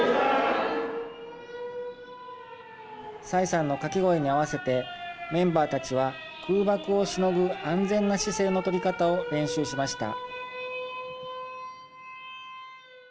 蔡さんの掛け声に合わせてメンバーたちは、空爆をしのぐ安全な姿勢の取り方を練習しました。